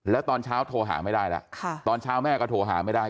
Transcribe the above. แล้วตอนเช้าโทรหาไม่ได้แล้วตอนเช้าแม่ก็โทรหาไม่ได้